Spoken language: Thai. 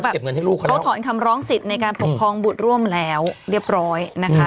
เขาถอนคำร้องสิทธิ์ในการปกครองบุตรร่วมแล้วเรียบร้อยนะคะ